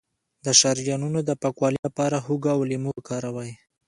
د شریانونو د پاکوالي لپاره هوږه او لیمو وکاروئ